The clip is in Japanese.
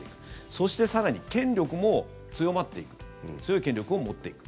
そして更に、権力も強まっていく強い権力を持っていく。